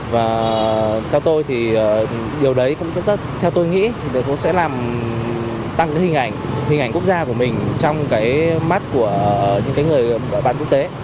và theo tôi thì điều đấy cũng rất theo tôi nghĩ thì cũng sẽ làm tăng hình ảnh hình ảnh quốc gia của mình trong cái mắt của những người bạn quốc tế